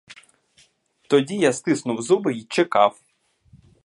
Тоді я стиснув зуби й чекав.